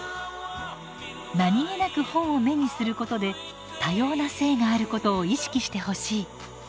何気なく本を目にすることで多様な性があることを意識してほしい。